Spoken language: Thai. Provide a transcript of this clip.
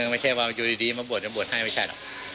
ไม่ใช่ว่าอยู่ดีมาบวชจะบวชให้ไม่ใช่หรอก